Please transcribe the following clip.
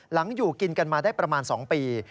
อยู่กินกันมาได้ประมาณ๒ปี